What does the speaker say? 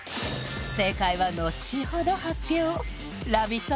正解はのちほど発表「ラヴィット！」